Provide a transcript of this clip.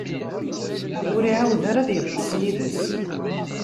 Ur iɛawed ara ad iṭṭeṣ yid-s.